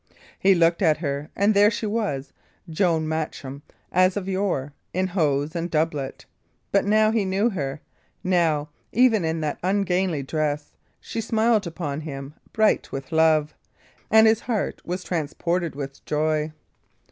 He looked at her, and there she was John Matcham, as of yore, in hose and doublet. But now he knew her; now, even in that ungainly dress, she smiled upon him, bright with love; and his heart was transported with joy.